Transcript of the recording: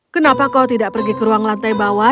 kenapa kau tidak pergi ke ruang lantai bawah